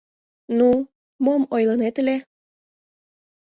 — Ну, мом ойлынет ыле?